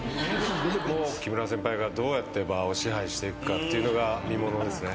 木村先輩がどうやって場を支配していくかが見ものですね。